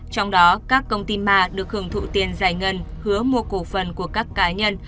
trong đó các công ty ma được hưởng thụ tiền giải ngân hứa mua cổ phần của các cá nhân